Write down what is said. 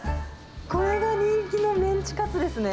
これが人気のメンチカツですね。